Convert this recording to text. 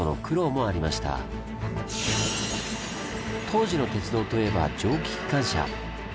当時の鉄道といえば蒸気機関車。